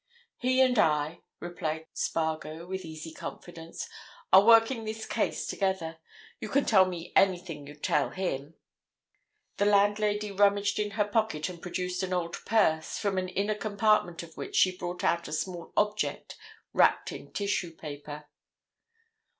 "He and I," replied Spargo, with easy confidence, "are working this case together. You can tell me anything you'd tell him." The landlady rummaged in her pocket and produced an old purse, from an inner compartment of which she brought out a small object wrapped in tissue paper.